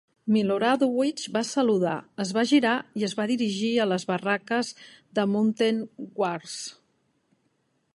Miloradovich va saludar, es va girar i es va dirigir a les barraques de Mounted Guards.